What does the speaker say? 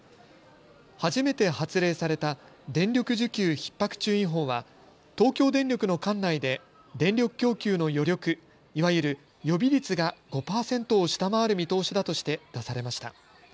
初めて発令された電力需給ひっ迫注意報は東京電力の管内で電力供給の余力いわゆる予備率が５％を下回る見通しだとして出されました。